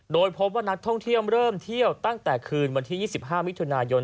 โดยพบว่านักท่องเที่ยวเริ่มเที่ยวตั้งแต่คืนวันที่๒๕มิถุนายน